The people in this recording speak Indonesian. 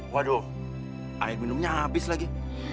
waduh air minumnya habis lagi